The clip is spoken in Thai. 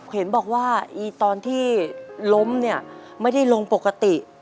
เห็นบอกว่าตอนที่ล้มเนี่ยไม่ได้ลงปกติ